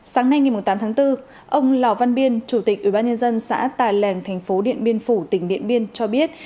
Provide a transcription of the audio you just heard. sáng nay ngày tám tháng bốn ông lào văn biên chủ tịch ủy ban nhân dân xã tà lèng tp điện biên phủ tỉnh điện biên cho biết